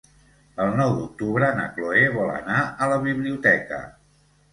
El nou d'octubre na Cloè vol anar a la biblioteca.